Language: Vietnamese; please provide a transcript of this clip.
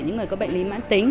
những người có bệnh lý mãn tính